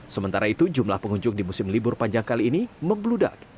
sementara itu jumlah pengunjung di musim libur panjang kali ini membludak